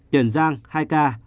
tiền giang hai ca